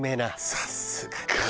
さすが。